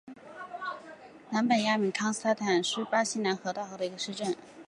南本雅明康斯坦特是巴西南大河州的一个市镇。